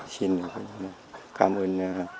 xin cảm ơn